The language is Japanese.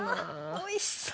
おいしそう！